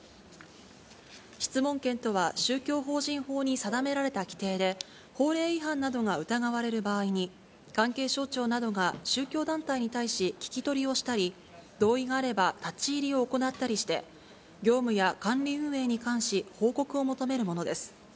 質問権とは、宗教法人法に定められた規定で、法令違反などが疑われる場合に、関係省庁などが宗教団体に対し、聞き取りをしたり、同意があれば立ち入りを行ったりして、業務や管理運営に関し、報告を求めるものです。